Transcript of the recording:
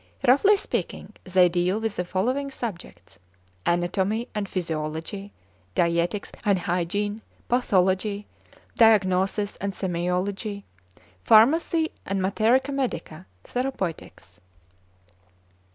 Roughly speaking, they deal with the following subjects: Anatomy and Physiology, Dietetics and Hygiene, Pathology, Diagnosis and Semeiology, Pharmacy and Materia Medica, Therapeutics.